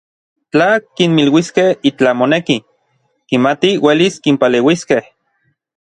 Tla kinmiluiskej itlaj moneki, kimatij uelis kinpaleuiskej.